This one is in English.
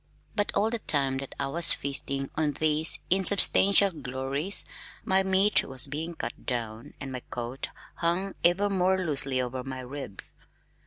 But all the time that I was feasting on these insubstantial glories, my meat was being cut down and my coat hung ever more loosely over my ribs.